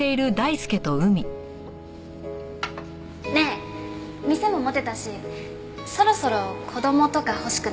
ねえ店も持てたしそろそろ子供とか欲しくない？